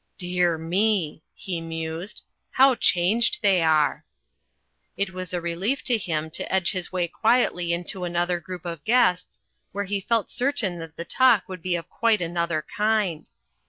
"Dear me!" he mused, "how changed they are." It was a relief to him to edge his way quietly into another group of guests where he felt certain that the talk would be of quite another kind.